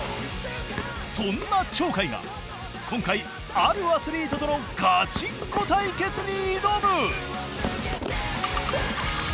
そんな鳥海が今回あるアスリートとのガチンコ対決に挑む！